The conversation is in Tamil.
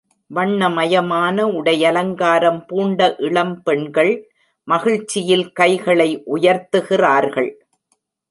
வண்ணமயமான உடையலங்காரம் பூண்ட இளம் பெண்கள் மகிழ்ச்சியில் கைகளை உயர்த்துகிறார்கள்.